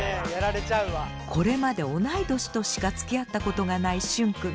これまで同い年としかつきあったことがないシュンくん。